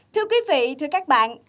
thưa quý vị thưa các bạn